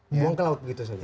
membuang ke laut begitu saja